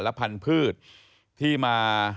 และพันธุ์พืชที่มา